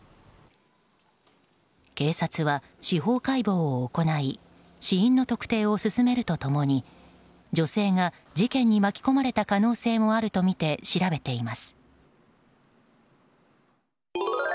警察は司法解剖を行い死因の特定を進めると共に女性が事件に巻き込まれた可能性もあるとみて調べています。